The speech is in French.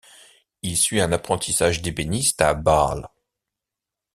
Il suit un apprentissage d'ébéniste à Bâle.